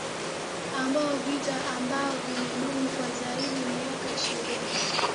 ambao vita ambao vimedumu kwa zaidi miaka ya ishirini